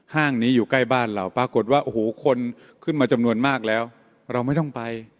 ห้างนี้อยู่ใกล้บ้านเราปรากฏว่าโอ้โหคนขึ้นมาจำนวนมากแล้วเราไม่ต้องไป